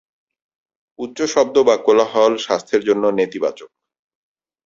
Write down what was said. উচ্চ শব্দ বা কোলাহল স্বাস্থ্যের জন্য নেতিবাচক।